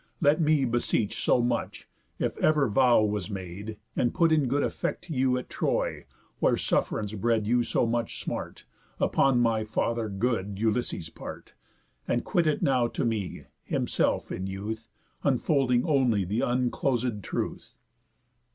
Let me beseech so much, if ever vow Was made, and put in good effect to you, At Troy, where suff'rance bred you so much smart, Upon my father good Ulysses' part, And quit it now to me (himself in youth) Unfolding only the uncloséd truth."